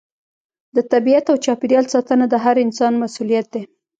د طبیعت او چاپیریال ساتنه د هر انسان مسؤلیت دی.